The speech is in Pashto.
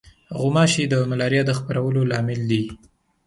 غوماشې د ملاریا د خپرولو لامل دي.